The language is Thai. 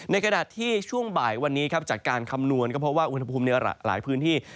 ขณะที่ช่วงบ่ายวันนี้ครับจากการคำนวณก็เพราะว่าอุณหภูมิในหลายพื้นที่